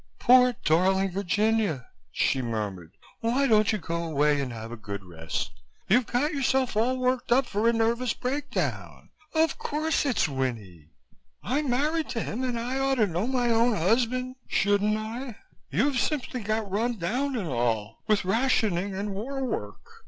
"Poor, darling Virginia," she murmured, "why don't you go away and have a good rest? You've got yourself all worked up for a nervous breakdown. Of course it's Winnie. I'm married to him and I ought to know my own husband, shouldn't I? You've simply got run down and all, with rationing and war work.